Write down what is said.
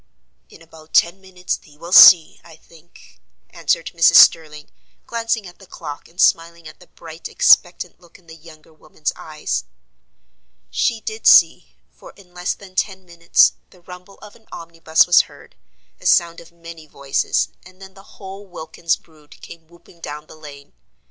"In about ten minutes thee will see, I think," answered Mrs. Sterling, glancing at the clock, and smiling at the bright expectant look in the younger woman's eyes. She did see; for in less than ten minutes the rumble of an omnibus was heard, a sound of many voices, and then the whole Wilkins brood came whooping down the lane.